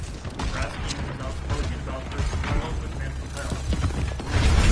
Raskin is outspoken about her struggles with mental health.